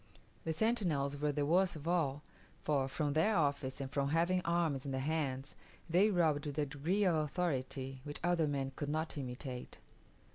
The sentinels were the worst of all; for, from their office and from having arms in their hands, they robbed with a degree of authority which other men could not imitate.